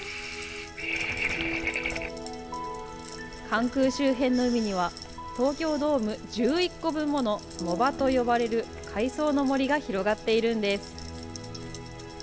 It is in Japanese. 関空周辺の海には、東京ドーム１１個分もの藻場と呼ばれる海藻の森が広がっているんです。